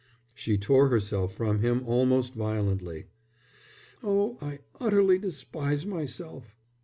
She tore herself from him almost violently. "Oh, I utterly despise myself."